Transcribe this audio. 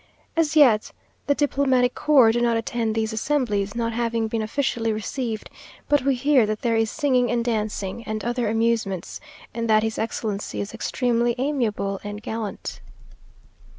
As yet the diplomatic corps do not attend these assemblies, not having been officially received; but we hear that there is singing and dancing, and other amusements, and that his excellency is extremely amiable and galant.